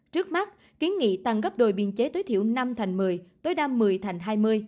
trước mắt kiến nghị tăng gấp đôi biên chế tối thiểu năm thành một mươi tối đa một mươi thành hai mươi